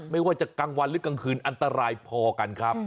ไม่ว่าจะกลางวันหรือกลางคืนอันตรายพอกันครับ